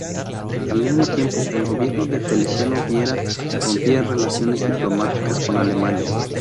Al mismo tiempo, el gobierno de Feliciano Viera rompía relaciones diplomáticas con Alemania.